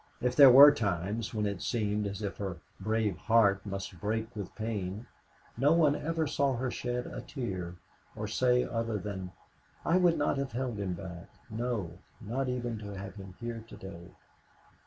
If there were times when it seemed as if her brave heart must break with pain, no one ever saw her shed a tear or say other than, "I would not have held him back, no, not even to have him here to day."